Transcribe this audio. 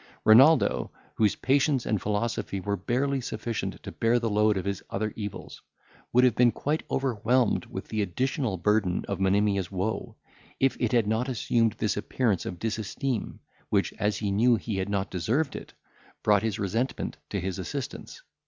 Renaldo, whose patience and philosophy were barely sufficient to bear the load of his other evils, would have been quite overwhelmed with the additional burden of Monimia's woe, if it had not assumed this appearance of disesteem, which, as he knew he had not deserved it, brought his resentment to his assistance.